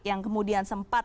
yang kemudian sempat